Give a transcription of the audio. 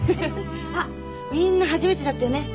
あっみんな初めてだったよね。